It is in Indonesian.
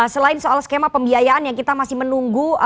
selain soal skema pembiayaan yang kita masih menunggu